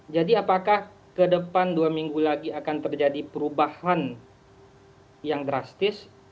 jadi apakah kedepan dua minggu lagi akan terjadi perubahan yang drastis